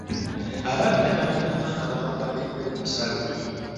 Ababbi abaamenye bbanka baabakwatidde ku nsalo.